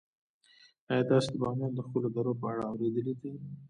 آیا تاسو د بامیان د ښکلو درو په اړه اوریدلي دي؟